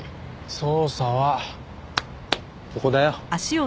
捜査はここだよ。